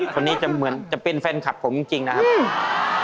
คนนี้จะเหมือนจะเป็นแฟนคลับผมจริงจริงนะครับอืม